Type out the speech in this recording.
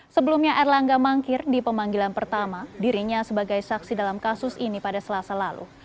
sebelumnya erlangga mangkir di pemanggilan pertama dirinya sebagai saksi dalam kasus ini pada selasa lalu